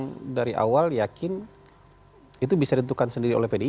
kalau saya memang dari awal yakin itu bisa ditentukan sendiri oleh pdip memang